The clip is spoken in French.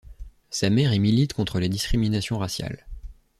Sa mère y milite contre les discriminations raciales.